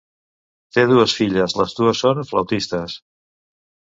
Té dues filles, les dues són flautistes.